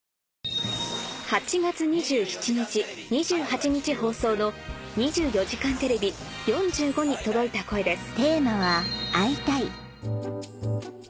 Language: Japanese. ８月２７日２８日放送の『２４時間テレビ４５』に届いた声です